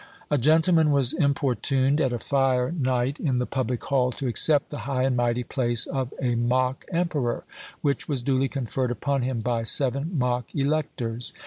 "A gentleman was importuned, at a fire night in the public hall, to accept the high and mighty place of a mock emperor, which was duly conferred upon him by seven mock electors.